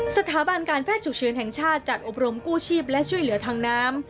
สถาบันการแพทย์ฉุกเฉินแห่งชาติจัดอบรมกู้ชีพและช่วยเหลือทางน้ำ